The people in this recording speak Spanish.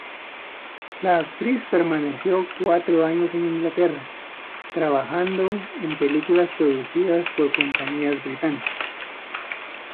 La actriz permaneció cuatro años en Inglaterra, trabajando en películas producidas por compañías británicas.